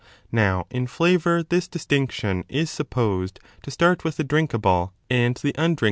Now in flavour this distinction is supposed to start with the drinkable and the Torst.